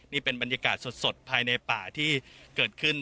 นี่เป็นบรรยากาศสดภายในป่าที่เกิดขึ้น